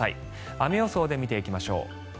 雨予想で見ていきましょう。